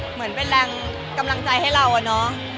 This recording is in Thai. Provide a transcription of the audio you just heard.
เหมือนเป็นแรงกำลังใจให้เราอะเนาะ